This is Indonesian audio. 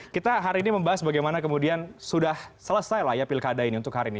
kita hari ini membahas bagaimana kemudian sudah selesai lah ya pilkada ini untuk hari ini